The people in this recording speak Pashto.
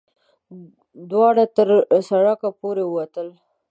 دواړه تر سړک پورې وتل.